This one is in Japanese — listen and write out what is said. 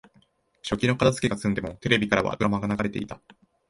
食器の片づけが済んでも、テレビからはドラマが流れていた。